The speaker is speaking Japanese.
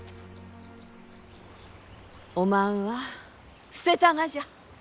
おまんは捨てたがじゃ。